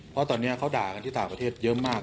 เพราะตอนนี้เขาด่ากันที่ต่างประเทศเยอะมาก